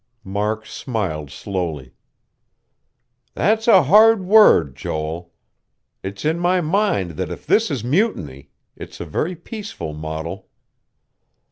Mark smiled slowly. "That's a hard word, Joel. It's in my mind that if this is mutiny, it's a very peaceful model."